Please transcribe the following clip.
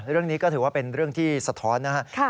เรื่องนี้ก็ถือว่าเป็นเรื่องที่สะท้อนนะครับ